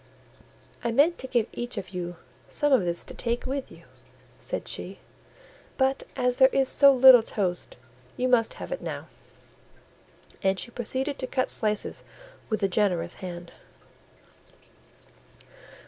"I meant to give each of you some of this to take with you," said she, "but as there is so little toast, you must have it now," and she proceeded to cut slices with a generous hand.